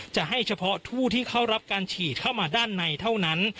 จะให้เฉพาะผู้ที่เข้ารับการฉีดเข้ามาด้านในเท่านั้น